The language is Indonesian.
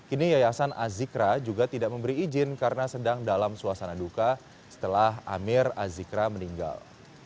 ini yayasan azikra juga tidak memberi izin karena sedang dalam suasana duka setelah amir azikra meninggal